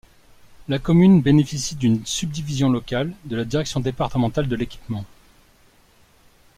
La commune bénéficie d'une subdivision locale de la direction départementale de l'équipement.